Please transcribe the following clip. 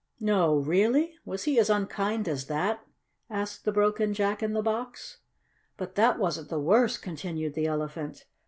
"No! Really? Was he as unkind as that?" asked the broken Jack in the Box. "But that wasn't the worst," continued the Elephant.